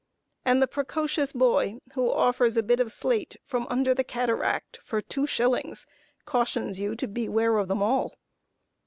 And the precocious boy, who offers a bit of slate from under the Cataract for two shillings, cautions you to beware of them all.